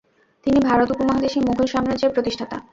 তিনি ভারত উপমহাদেশে মুঘল সাম্রাজ্যের প্রতিষ্ঠাতা।